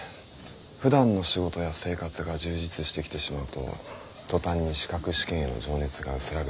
ふだんの仕事や生活が充実してきてしまうと途端に資格試験への情熱が薄らぐ。